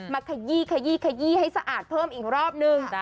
มาขยี้ให้สะอาดเพิ่มอีกรอบนึง